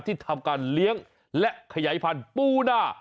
ที่ทำการเลี้ยงและขยายพันธุ์ปูนา